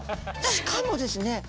しかもですね